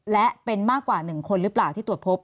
และเป็นมากกว่า๑คนหรือเปล่าที่ตรวจพบ